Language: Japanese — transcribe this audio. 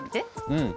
うん。